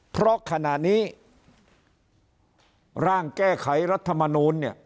เพราะขณะนี้ร่างแก้ไขรัฐมนูลเนี่ย